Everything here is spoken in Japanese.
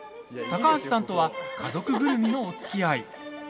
高橋さんとは家族ぐるみのおつきあい。